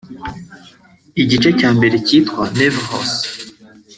Igice cya mbere kitwa 'Nevrose'